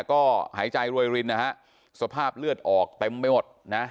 ก็หายใจรวยรินนะฮะสภาพเลือดออกเต็มไปหมดนะ